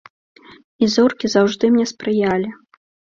І зоркі заўжды мне спрыялі.